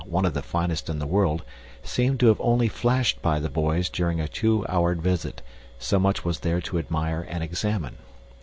} one of the finest in the world, seemed to have only flashed by the boys during a two hour visit, so much was there to admire and examine.